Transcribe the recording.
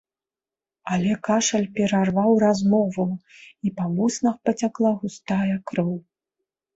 Але кашаль перарваў размову, і па вуснах пацякла густая кроў.